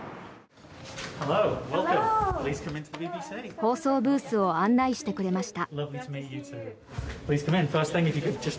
放送ブースを案内してくれました。